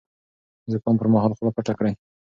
د زکام پر مهال خوله پټه کړئ.